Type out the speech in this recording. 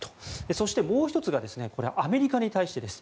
そして、もう１つがアメリカに対してです。